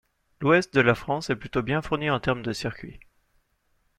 L'Ouest de la France est plutôt bien fournit en termes de circuits.